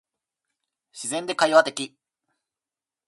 自然で会話的